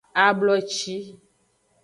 Abloci.